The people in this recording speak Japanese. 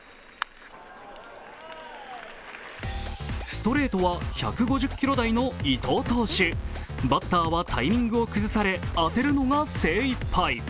ストレートは１５０キロ台の伊藤投手バッターはタイミングを崩され、当てるのが精いっぱい。